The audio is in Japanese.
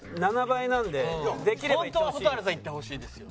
７倍なんでできればいってほしいんですよ。